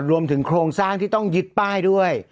รวมถึงโครงสร้างที่ต้องยึดป้ายด้วย